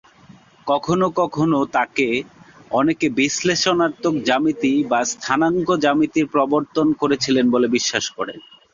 কখনও কখনও তাঁকে অনেকে বিশ্লেষণাত্মক জ্যামিতি বা স্থানাঙ্ক জ্যামিতির প্রবর্তন করেছিলেন বলে বিশ্বাস করে।